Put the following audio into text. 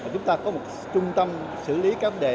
chúng ta có một trung tâm xử lý các vấn đề